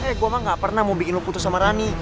eh gue emang ga pernah mau bikin lu putus sama rani